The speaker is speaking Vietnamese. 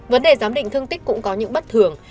vấn đề giám định thương tích cũng có những bất thường